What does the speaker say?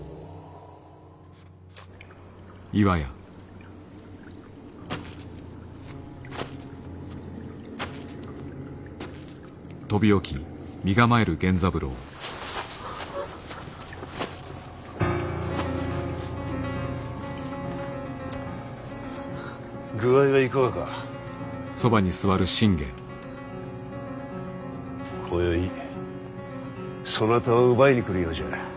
こよいそなたを奪いに来るようじゃ。